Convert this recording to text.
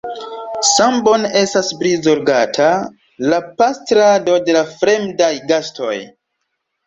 Sambone estas prizorgata la pastrado de la fremdaj gastoj.